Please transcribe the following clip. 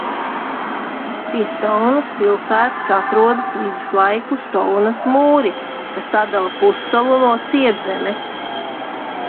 Pie Stonas pilsētas atrodas viduslaiku Stonas mūri, kas atdala pussalu no cietzemes.